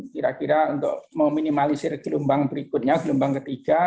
kira kira untuk meminimalisir gelombang berikutnya gelombang ketiga